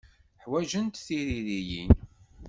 Ḥwajent tiririyin.